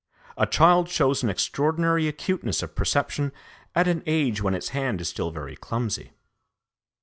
A child shows an extraordinary acuteness of perception at an age when its hand is still very clumsy.